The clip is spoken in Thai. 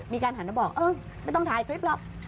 มีการถามก็บอกอื้อไม่ต้องถ่ายคลิป